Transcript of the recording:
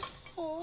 あ。